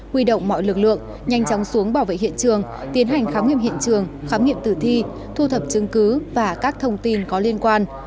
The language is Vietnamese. huy động mọi lực lượng nhanh chóng xuống bảo vệ hiện trường tiến hành khám nghiệm hiện trường khám nghiệm tử thi thu thập chứng cứ và các thông tin có liên quan